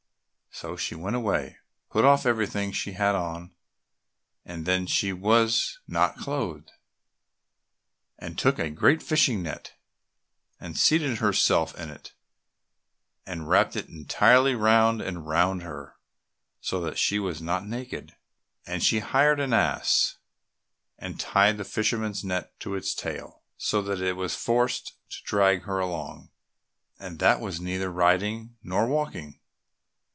So she went away, put off everything she had on, and then she was not clothed, and took a great fishing net, and seated herself in it and wrapped it entirely round and round her, so that she was not naked, and she hired an ass, and tied the fisherman's net to its tail, so that it was forced to drag her along, and that was neither riding nor walking.